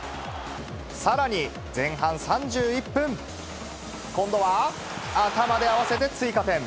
さらに、前半３１分、今度は頭で合わせて追加点。